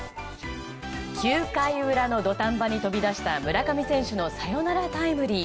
９回裏の土壇場に飛び出した村上選手のサヨナラタイムリー。